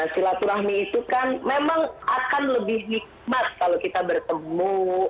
silaturahmi itu kan memang akan lebih nikmat kalau kita bertemu